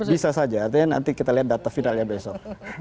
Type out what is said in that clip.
bisa saja artinya nanti kita lihat data finalnya besok